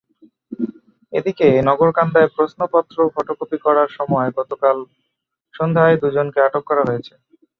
এদিকে নগরকান্দায় প্রশ্নপত্র ফটোকপি করার সময় গতকাল সন্ধ্যায় দুজনকে আটক করা হয়েছে।